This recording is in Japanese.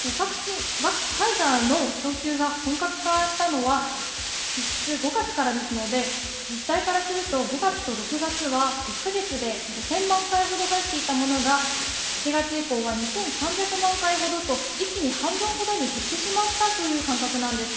ファイザーの供給が本格化したのは実質５月からですので自治体からすると５月と６月は１か月で５０００万回ほど入っていたものが７月以降は２３００万回ほどと一気に半分ほどに減ってしまったという感覚なんです。